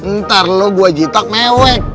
ntar lo gua jitak mewek